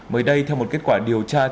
mới đây theo một kết quả điều tra